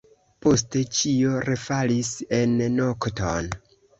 Poste ĉio refalis en nokton.